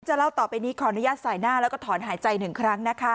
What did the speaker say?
เล่าต่อไปนี้ขออนุญาตสายหน้าแล้วก็ถอนหายใจหนึ่งครั้งนะคะ